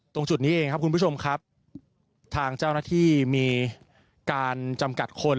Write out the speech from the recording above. ตรงจุดนี้เองครับคุณผู้ชมครับทางเจ้าหน้าที่มีการจำกัดคน